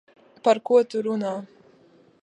Par ko tu runā?